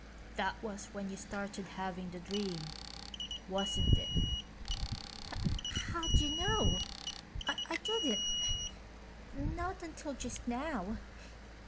"That was when you started having the dream, wasn't it?" "How'd you know? I didn't not until just now.